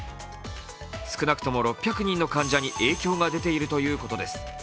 少なくとも６００人の患者に影響が出ているということです。